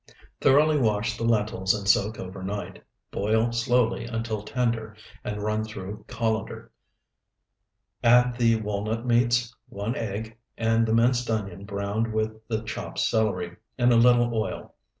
1. Thoroughly wash the lentils and soak overnight. Boil slowly until tender and run through colander. Add the walnut meats, one egg, and the minced onion browned with the chopped celery in a little oil.